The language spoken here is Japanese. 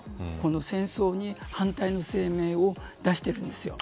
戦争に反対の声明を出しているんです。